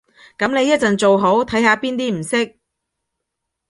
噉你一陣做好，睇下邊啲唔識